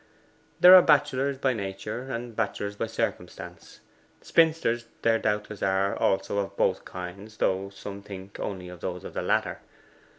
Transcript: There are bachelors by nature and bachelors by circumstance: spinsters there doubtless are also of both kinds, though some think only those of the latter.